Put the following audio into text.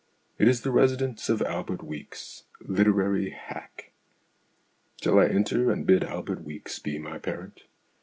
It is the residence of Albert Weeks, literary hack. Shall I enter, and bid Albert Weeks be my parent